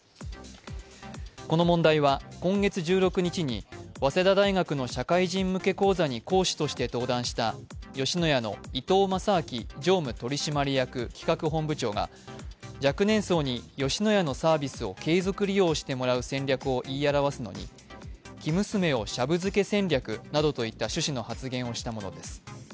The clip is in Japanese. この問題は、今月１６日に早稲田大学の社会人向け講座に講師として登壇した吉野家の伊東正明常務取締役企画本部長が若年層に吉野家のサービスを継続利用してもらう戦略を言い表すのに「生娘をシャブ漬け戦略」などといった趣旨の発言をしたものです。